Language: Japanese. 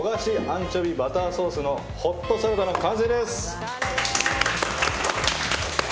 アンチョビバターソースのホットサラダの完成です！